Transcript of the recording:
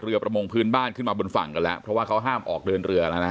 ประมงพื้นบ้านขึ้นมาบนฝั่งกันแล้วเพราะว่าเขาห้ามออกเดินเรือแล้วนะ